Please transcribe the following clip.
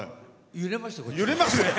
揺れましたよ。